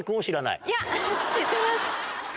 いや知ってます。